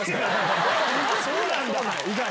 そうなんだ！